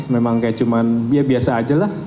memang kayak cuman ya biasa aja lah